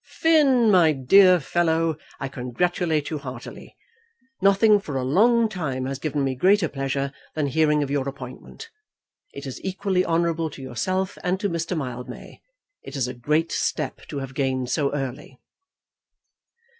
Finn, my dear fellow, I congratulate you heartily. Nothing for a long time has given me greater pleasure than hearing of your appointment. It is equally honourable to yourself and to Mr. Mildmay. It is a great step to have gained so early."